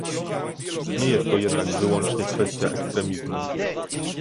Nie jest to jednak wyłącznie kwestia ekstremizmu